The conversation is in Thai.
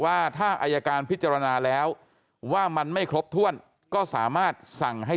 ว่าถ้าอายการพิจารณาแล้วว่ามันไม่ครบถ้วนก็สามารถสั่งให้